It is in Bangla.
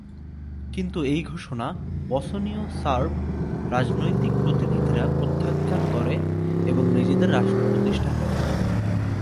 কিন্তু এই ঘোষণা বসনীয়-সার্ব রাজনৈতিক প্রতিনিধিরা প্রত্যাখান করে এবং নিজেদের রাষ্ট্র প্রতিষ্ঠা করে।